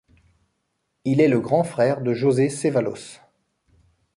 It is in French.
Il est le grand frère de José Cevallos.